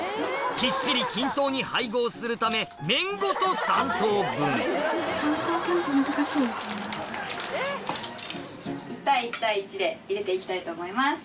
きっちり均等に配合するため１対１対１で入れて行きたいと思います。